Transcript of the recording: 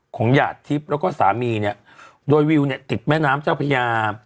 ของหญาติทิพย์แล้วก็สามีโดยวิวติดแม่น้ำเจ้าพระยา